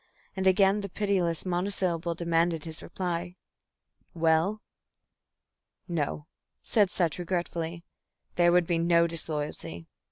And again the pitiless monosyllable demanded his reply. "Well?" "No," said Sutch, regretfully. "There would be no disloyalty."